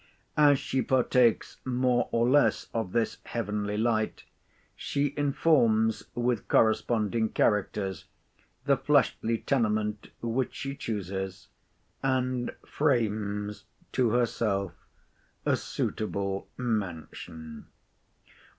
As she partakes more or less of this heavenly light, she informs, with corresponding characters, the fleshly tenement which she chooses, and frames to herself a suitable mansion.